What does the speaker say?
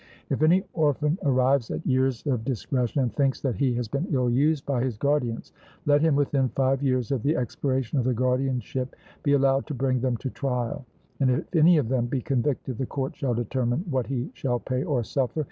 If any orphan arrives at years of discretion, and thinks that he has been ill used by his guardians, let him within five years of the expiration of the guardianship be allowed to bring them to trial; and if any of them be convicted, the court shall determine what he shall pay or suffer.